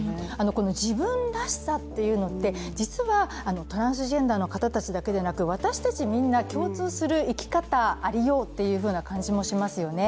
この「自分らしさ」っていうのって、実はトランスジェンダーの方たちだけでなく私たちみんな、共通する生き方ありようという感じもしますよね。